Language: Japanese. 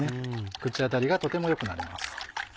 口当たりがとてもよくなります。